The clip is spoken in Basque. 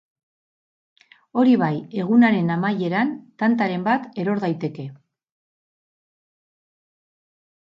Hori bai, egunaren amaieran tantaren bat eror daiteke.